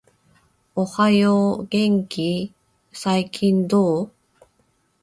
おはよう、元気ー？、最近どう？？